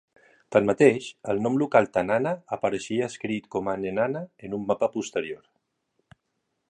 Tanmateix, el nom local Tanana apareixia escrit com a "Nenana" en un mapa posterior.